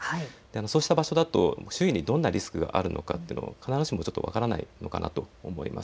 そうした場所だと周囲にどんなリスクがあるのかというのを必ずしも分からないかと思います。